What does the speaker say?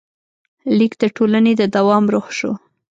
لیک د ټولنې د دوام روح شو.